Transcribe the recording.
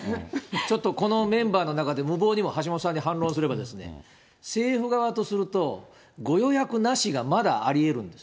ちょっとこのメンバーの中で、無謀にも橋下さんに反論すれば、政府側とすると、ご予約なしがまだありえるんです。